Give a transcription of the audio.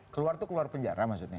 keluar itu keluar penjara maksudnya